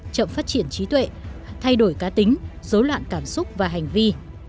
chậm phát triển trí tuệ thay đổi cá tính dối loạn cảm xúc và hành vi